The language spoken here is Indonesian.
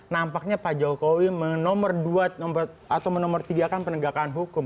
nampaknya pak jokowi menomor dua atau menomor tiga kan penegakan hukum